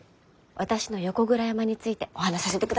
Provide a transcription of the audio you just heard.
私の横倉山についてお話しさせてください！